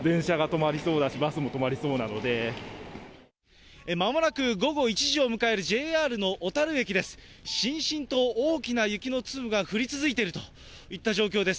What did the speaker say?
まもなく午後１時を迎えるＪＲの小樽駅です。